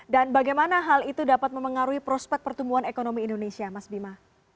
dan bagaimana hal itu dapat memengaruhi prospek pertumbuhan ekonomi indonesia mas bima